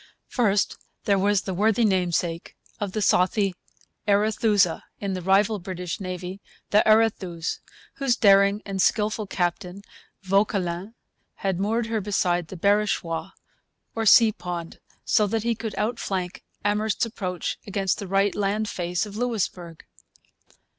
First, there was the worthy namesake of 'the saucy Arethusa' in the rival British Navy, the Arethuse, whose daring and skilful captain, Vauquelin, had moored her beside the Barachois, or sea pond, so that he could outflank Amherst's approach against the right land face of Louisbourg.